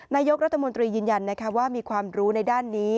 นายกรัฐมนตรียืนยันว่ามีความรู้ในด้านนี้